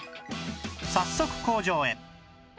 早速工場へ